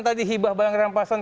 tadi hibah barang rampasan